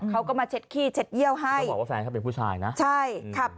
เขาก็มาเช็ดขี้เช็ดเยี่ยวให้เขาบอกว่าแฟนเขาเป็นผู้ชายนะใช่ครับ